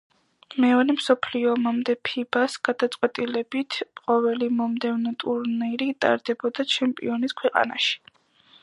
მეორე მსოფლიო ომამდე „ფიბა-ს“ გადაწყვეტილებით ყოველი მომდევნო ტურნირი ტარდებოდა ჩემპიონის ქვეყანაში.